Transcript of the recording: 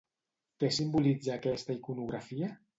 Què simbolitza aquesta iconografia?